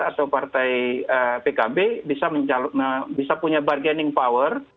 atau partai pkb bisa punya bargaining power